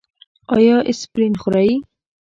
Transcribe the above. ایا اسپرین خورئ؟